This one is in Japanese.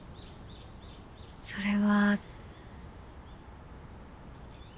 それは。